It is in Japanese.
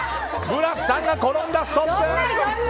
ブラスさんが転んだ、ストップ！